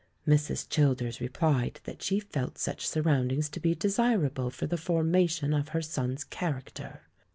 Mrs. Childers replied that she felt such surroundings to be desirable for the for mation of her son's character.